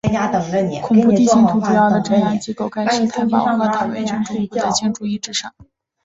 恐怖地形图主要的镇压机构盖世太保和党卫军总部的建筑遗址上。